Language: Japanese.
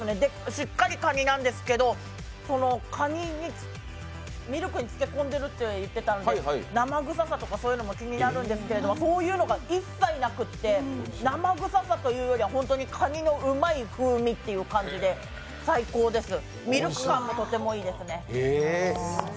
しっかりかになんですけどミルクに漬け込んでいるって言っていたので生臭さとかも気になるんですけど、そういうのが一切なくて生臭さというよりは、かにのうまい風味という感じでミルク感もとてもいいですね。